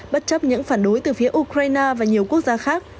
bất chấp những phản đối từ phía ukraine và nhiều quốc gia khác